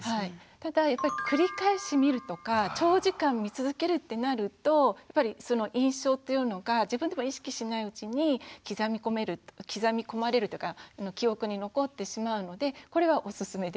ただやっぱり繰り返し見るとか長時間見続けるってなるとやっぱりその印象っていうのが自分でも意識しないうちに刻み込まれるというか記憶に残ってしまうのでこれはおすすめできません。